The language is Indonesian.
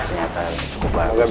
ya nyata cukup banget